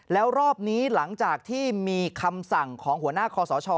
แล้วรอบนี้หลังจากที่มีคำสั่งของหัวหน้าคอสช